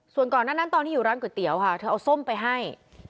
ส่วนก่อนนั้นตอนที่อยู่ร้านก๋วยเตี๋ยวค่ะเธอเอาส้มไปให้